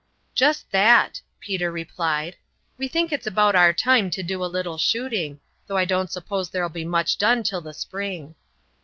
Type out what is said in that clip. "Jest that," Peter replied. "We think it's about our time to do a little shooting, though I don't suppose there'll be much done till the spring."